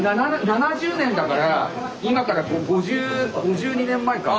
７０年だから今から５２年前か。